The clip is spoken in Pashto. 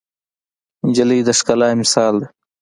نجلۍ د ښکلا مثال ده.